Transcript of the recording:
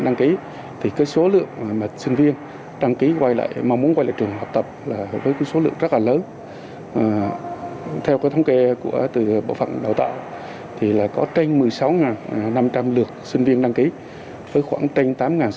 giảng viên và sinh viên đăng ký đến trường bách khoa khá lớn trên một mươi sáu năm trăm linh lượt sinh viên